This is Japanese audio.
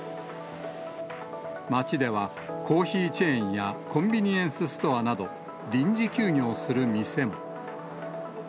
街では、コーヒーチェーンやコンビニエンスストアなど、臨時休業する店も。